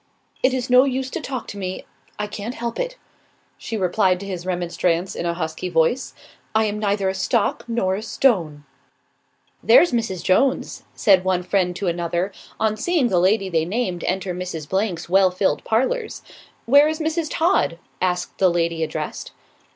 "It is no use to talk to me, I can't help it," she replied to his remonstrance, in a husky voice. "I am neither a stock nor a stone." "There's Mrs. Jones," said one friend to another, on seeing the lady they named enter Mrs. 's well filled parlours. "Where is Mrs. Todd?" asked the lady addressed.